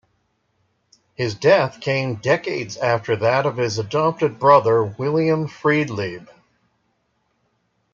His death came decades after that of his adopted brother, William Friedlieb.